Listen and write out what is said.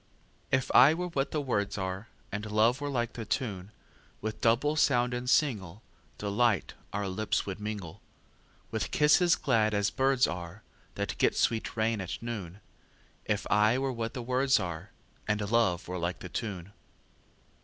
If I were what the words are, And love were like the tune, With double sound and singleDelight our lips would mingle, With kisses glad as birds areThat get sweet rain at noon; If I were what the words areAnd love were like the tune.